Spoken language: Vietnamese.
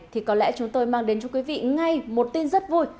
thì có lẽ chúng tôi mang đến cho quý vị ngay một tin rất vui